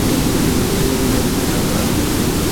জন চেম্বারে এলো, আর বাচ্চাটা মনে হল ঠিকভাবে শ্বাস নিচ্ছে না।